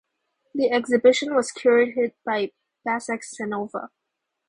The exhibition was curated by Basak Senova.